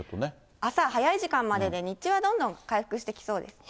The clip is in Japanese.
朝早い時間までで、日中はどんどん回復してきそうですね。